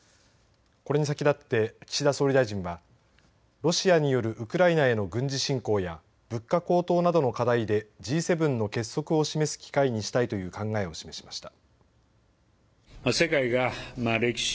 これに先だって岸田総理大臣はロシアによるウクライナへの軍事侵攻や物価高騰などの課題でＧ７の結束を示す機会にしたいという考えを示しました。